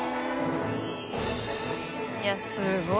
いやすごい。